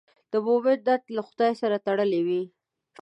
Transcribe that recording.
د مؤمن نیت له خدای سره تړلی وي.